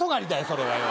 それはよ